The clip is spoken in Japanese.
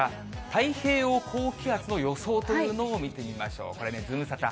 太平洋高気圧の予想というのを見てみましょう。